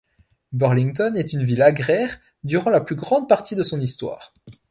Burlington est une ville agraire durant la plus grande partie de son histoire.